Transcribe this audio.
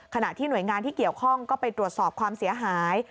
ขณะที่หน่วยงานที่เกี่ยวข้องก็ไปตรวจสอบความเสียหาย